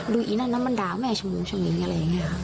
ดูอีนนั้นนั้นมันด่าแม่ชะมุงอะไรอย่างนี้ค่ะ